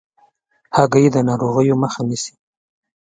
هګۍ د ناروغیو مخه نیسي.